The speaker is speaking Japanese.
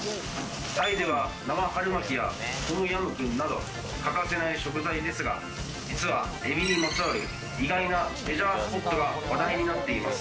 タイでは生春巻きやトムヤムクンなど欠かせない食材ですが、実はエビにまつわる意外なレジャースポットが話題になっています。